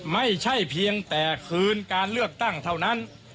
ไม่ใช่เพียงแต่คืนการเลือกตั้งเท่านั้น